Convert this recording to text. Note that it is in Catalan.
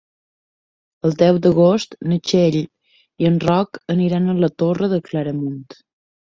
El deu d'agost na Txell i en Roc aniran a la Torre de Claramunt.